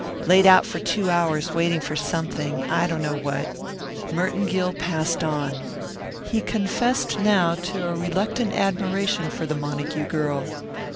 Laid out for two hours, waiting for something I don't know what." Merton Gill passed on. He confessed now to a reluctant admiration for the Montague girl.